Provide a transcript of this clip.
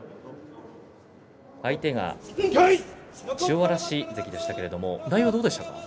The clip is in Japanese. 相手が千代嵐関でしたけれども内容はどうでしたか？